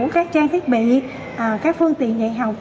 các trang thiết bị các phương tiện dạy học